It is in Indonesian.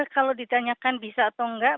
kalau ditanyakan bisa atau enggak